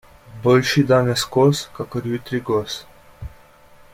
Boljši danes kos kakor jutri gos.